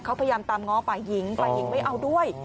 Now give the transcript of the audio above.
เขาพยายามตามง้อฝ่ายหญิงฝ่ายหญิงไม่เอาด้วย